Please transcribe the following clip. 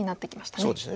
そうですね。